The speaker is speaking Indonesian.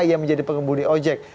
ia menjadi pengembuni ojek